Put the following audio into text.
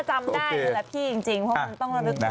ตอนแรกของพี่เมียวแต่ชุดสีแดง